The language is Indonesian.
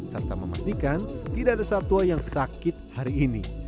serta memastikan tidak ada satwa yang sakit hari ini